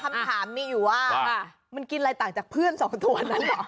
คำถามมีอยู่ว่ามันกินอะไรต่างจากเพื่อนสองตัวนั้นเหรอ